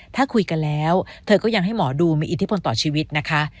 ถ้าคุยกันแล้วเธอก็ยังให้หมอดูมีอิทธิพลต่อชีวิตนะคะ